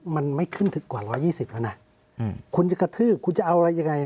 มันไม่ขึ้นถึงกว่า๑๒๐แล้วนะคุณจะกระทืบคุณจะเอาอะไรยังไง